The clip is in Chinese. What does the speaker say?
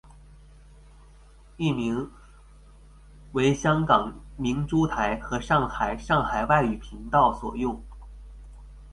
译名为香港明珠台和上海上海外语频道所用。